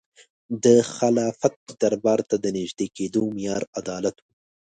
د خلافت دربار ته د نژدې کېدو معیار عدالت و.